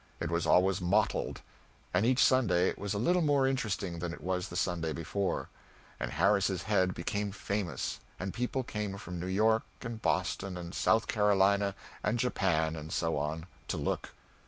It was always mottled. And each Sunday it was a little more interesting than it was the Sunday before and Harris's head became famous, and people came from New York, and Boston, and South Carolina, and Japan, and so on, to look.